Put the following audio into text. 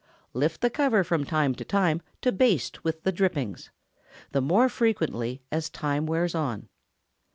Lift the cover from time to time to baste with the drippings—the more frequently as time wears on.